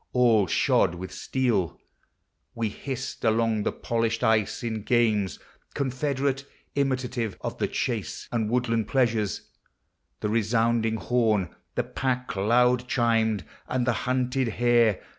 All shod with steel, We hissed along the polished ice, in games Confederate, imitative of the chase Ami woodland pleasures, the resounding horn, The pack loud chiming, and the hunted hare.